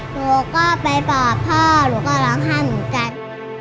ลูกก็ไปบอกพ่อลูกก็ร้องไห้เหมือนกัน